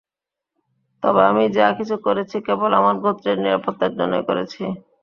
তবে আমি যা কিছু করেছি কেবল আমার গোত্রের নিরাপত্তার জন্যই করেছি।